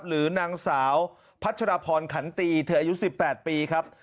หรือนางสาวพัชรพรขันตีเธออายุ๑๘ปีครับ